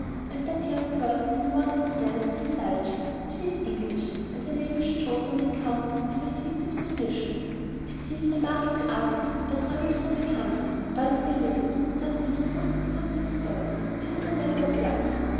And that young person with, the modest air is Miss Dulcie. She is English, and her name is chosen on account of her sweet disposition. With these remarkable artistes I travel through the country, earning my living, sometimes good, sometimes bad, ... it is a matter of luck!